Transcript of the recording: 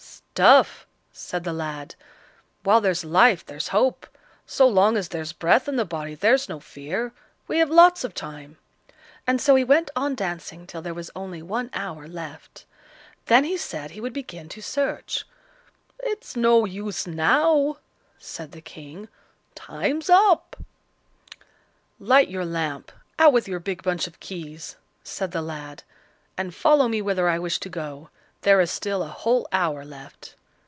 "Stuff!" said the lad; "while there's life there's hope! So long as there's breath in the body there's no fear; we have lots of time!" and so he went on dancing till there was only one hour left. Then he said he would begin to search. "It's no use now," said the King; "time's up." "Light your lamp; out with your big bunch of keys," said the lad, "and follow me whither I wish to go. There is still a whole hour left."